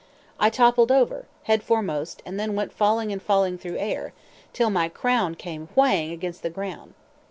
I toppled over, head foremost, and then went falling and falling through air, till my crown came whang against the ground.